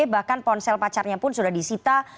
bahkan ponsel pacarnya pun sudah disita